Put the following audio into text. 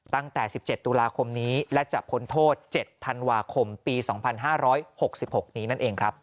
ตั้งแต่๑๗ตุลาคมนี้และจะพ้นโทษ๗ธันวาคมปี๒๕๖๖นี้นั่นเองครับ